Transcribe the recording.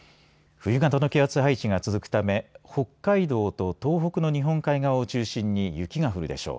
冬型の気圧配置が続くため北海道と東北の日本海側を中心に雪が降るでしょう。